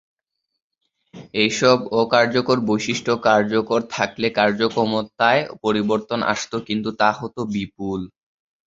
এইসব অকার্যকর বৈশিষ্ট্য কার্যকর থাকলে কার্যক্ষমতায় পরিবর্তন আসত কিন্তু তা হত বিপুল।